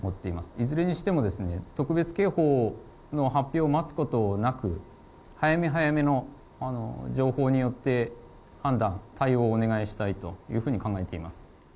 いずれにしても、特別警報の発表を待つことなく、早め早めの情報によって判断、対応をお願いしたいというふうに考えています。